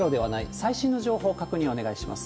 最新の情報、確認お願いします。